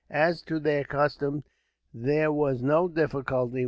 As to their costume, there was no difficulty.